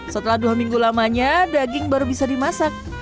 setelah dua minggu lamanya daging baru bisa dimasak